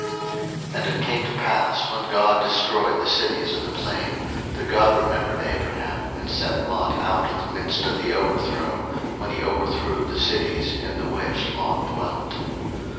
01:019:029 And it came to pass, when God destroyed the cities of the plain, that God remembered Abraham, and sent Lot out of the midst of the overthrow, when he overthrew the cities in the which Lot dwelt.